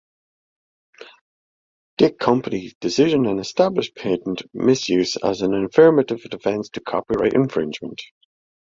Dick Company decision and established patent misuse as an affirmative defense to copyright infringement.